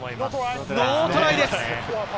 ノートライです。